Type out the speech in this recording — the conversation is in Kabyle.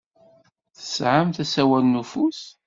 Tesɛamt asawal n ufus?